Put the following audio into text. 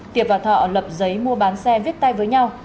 tiệp và thọ lập giấy mua bán xe viết tay với nhau